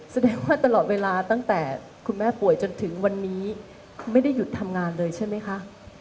แสดงว่าตลอดเวลาตั้งแต่คุณแม่ป่วยจนถึงวันนี้ไม่ได้หยุดทำงานเลยใช่ไหมคะ